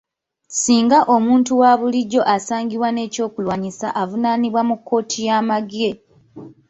Ssinga omuntu owa bulijjo asangibwa n'ekyokulwanyisa, avunaanibwa mu kkooti y'amagye.